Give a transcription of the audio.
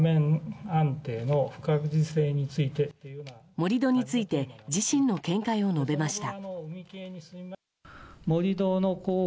盛り土について自身の見解を述べました。